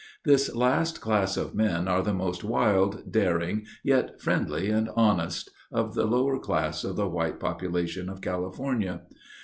This last class of men are the most wild, daring, yet friendly and honest, of the lower class of the white population of California.